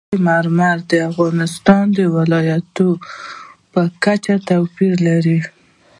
سنگ مرمر د افغانستان د ولایاتو په کچه توپیر لري.